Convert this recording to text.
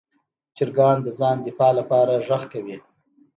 چرګان د ځان دفاع لپاره غږ کوي.